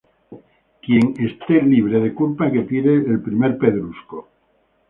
Quien esté libre de culpa que tire la primera piedra